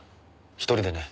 １人でね。